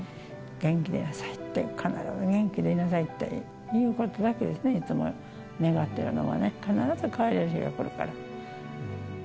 元気でいなさいって、必ず元気でいなさいっていうことだけですね、いつも願ってるのはね。